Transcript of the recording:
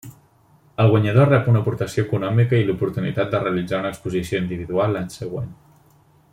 El guanyador rep una aportació econòmica i l’oportunitat de realitzar una exposició individual l’any següent.